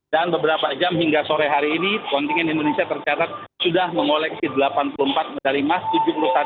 dan beberapa jam hingga sore hari ini kontingen indonesia tercatat sudah mengoleksi delapan puluh empat medali emas